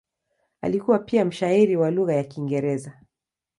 Alikuwa pia mshairi wa lugha ya Kiingereza.